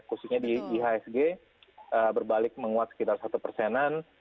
khususnya di ihsg berbalik menguat sekitar satu persenan